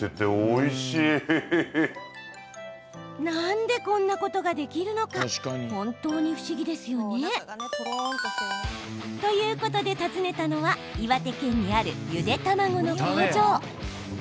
なんで、こんなことができるのか本当に不思議ですよね。ということで訪ねたのは岩手県にある、ゆで卵の工場。